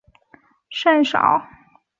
但最后这部作品读者甚少。